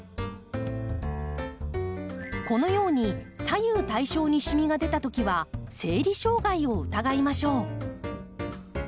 このように左右対称にしみが出たときは生理障害を疑いましょう。